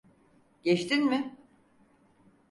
Geçtin mi?